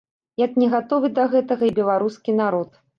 Як не гатовы да гэтага і беларускі народ.